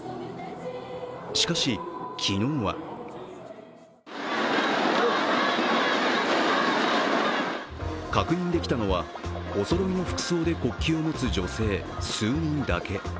しかし、昨日は確認できたのはおそろいの服装で国旗を持つ女性数人だけ。